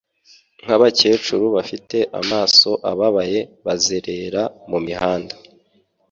nkabakecuru bafite amaso ababaye bazerera mumihanda